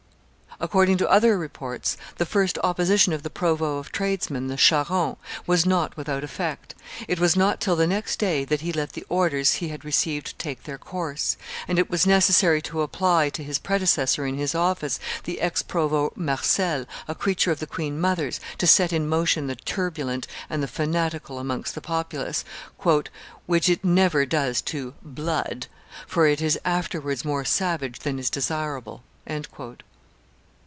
According to other reports, the first opposition of the provost of tradesmen, Le Charron, was not without effect; it was not till the next day that he let the orders he had received take their course; and it was necessary to apply to his predecessor in his office, the ex provost Marcel, a creature of the queen mother's, to set in motion the turbulent and the fanatical amongst the populace, "which it never does to 'blood,' for it is afterwards more savage than is desirable."